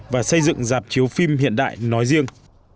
và xây dựng dạp chiếu phim hiện đại nói riêng